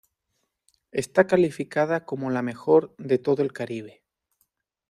Está calificada como la mejor de todo el Caribe.